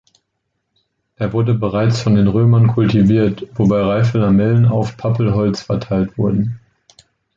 Er wurde bereits von den Römern kultiviert, wobei reife Lamellen auf Pappelholz verteilt wurden.